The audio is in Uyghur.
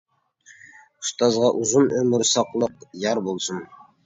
ئۇستازغا ئۇزۇن ئۆمۈر، ساقلىق يار بولسۇن!